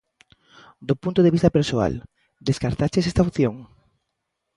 Do punto de vista persoal, descartaches esta opción?